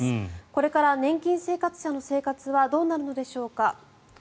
これから年金生活者の生活はどうなるのでしょうか。